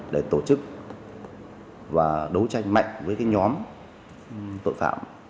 để tổ chức và đấu tranh mạnh với cái nhóm tội phạm